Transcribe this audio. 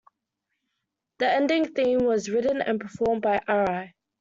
The ending theme was written and performed by Arai.